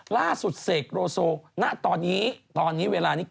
ล่าสุดเสกโรโซตอนนี้เวลานี้